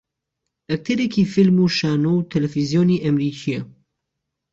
ئەکتەرێکی فیلم و شانۆ و تەلەڤیزیۆنی ئەمریکییە